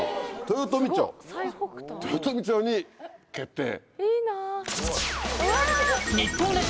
豊富町に決定。